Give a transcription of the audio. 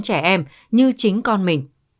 trẻ em như chính con mình